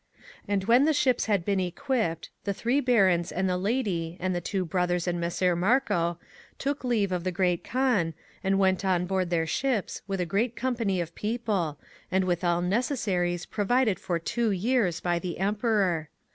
] And when the ships had been equipt, the Three Barons and the Lady, and the Two Brothers and Messer Marco, took leave of the Great Kaan, and went on board their ships with a great company of people, and with all necessaries provided for two years by the Emperor.